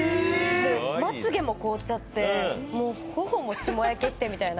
まつげも凍っちゃって、頬もしもやけしてみたいな。